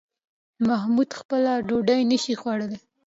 محمود خپله ډوډۍ نشي خوړلی